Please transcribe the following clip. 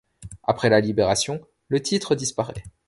Après la Libération, le titre disparait.